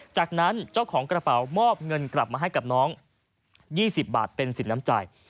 จากนั้นเจ้าของกระเป๋ามอบเงินกลับมาให้กับน้อง๒๐บาทเป็นสินน้ำใจ